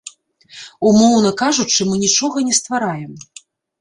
Умоўна кажучы, мы нічога не ствараем.